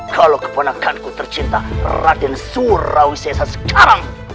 kalau kebenakanku tercinta raden surawi sesa sekarang